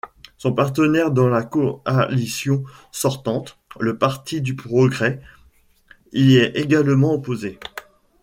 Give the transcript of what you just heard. Son partenaire dans la coalition sortante, le Parti du progrès, y est également opposé.